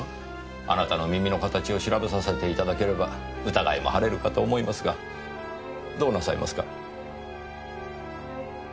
あなたの耳の形を調べさせていただければ疑いも晴れるかと思いますがどうなさいますか？